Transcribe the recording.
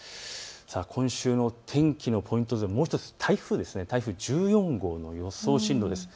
今週の天気のポイント、もう１つ、台風１４号の予想進路です。